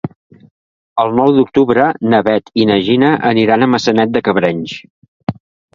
El nou d'octubre na Bet i na Gina aniran a Maçanet de Cabrenys.